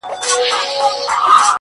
تا چي پر لمانځه له ياده وباسم ـ